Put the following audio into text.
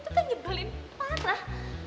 itu kan ngebalin parah